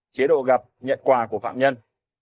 chế độ gặp nhận quà của phạm nhân